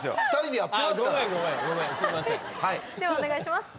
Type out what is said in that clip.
ではお願いします。